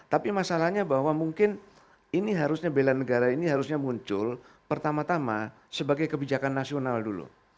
tapi masalahnya bahwa mungkin ini harusnya bela negara ini harusnya muncul pertama tama sebagai kebijakan nasional dulu